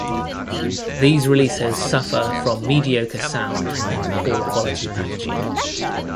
These releases suffer from mediocre sound and poor quality packaging.